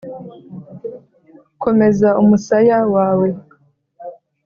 komeza umusaya wawe